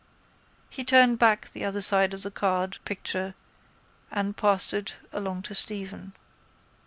He turned back the other side of the card, picture, and passed it along to Stephen.